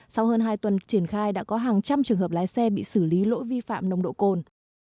sau hơn hai tuần triển khai đã có hàng trăm trường hợp lái xe bị xử lý lỗi vi phạm nồng độ cồn